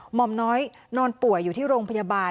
หมอมน้อยนอนป่วยอยู่ที่โรงพยาบาล